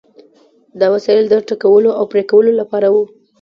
دا وسایل د ټکولو او پرې کولو لپاره وو.